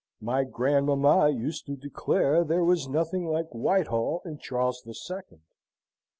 My grandmamma used to declare there was nothing like Whitehall and Charles the Second."